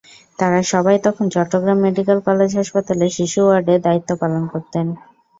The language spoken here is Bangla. তাঁরা সবাই তখন চট্টগ্রাম মেডিকেল কলেজ হাসপাতালের শিশু ওয়ার্ডে দায়িত্ব পালন করতেন।